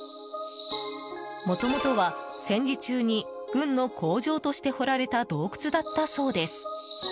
もともとは戦時中に軍の工場として掘られた洞窟だったそうです。